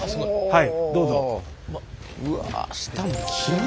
はい。